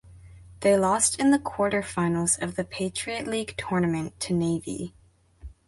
They lost in the quarterfinals of the Patriot League Tournament to Navy.